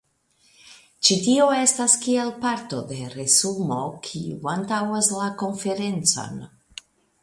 Ĉi tio estas kiel parto de resumo kiu antaŭas la konferencon.